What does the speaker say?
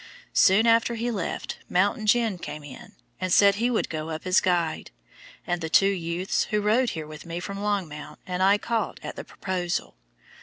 Soon after he left, "Mountain Jim" came in, and said he would go up as guide, and the two youths who rode here with me from Longmount and I caught at the proposal.